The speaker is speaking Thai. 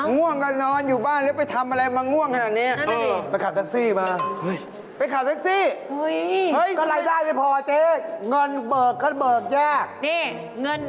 ง่วงก็นอนอยู่บ้านหรือไปทำอะไรมาง่วงขนาดนี้